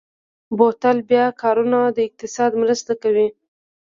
بوتل بیا کارونه د اقتصاد مرسته کوي.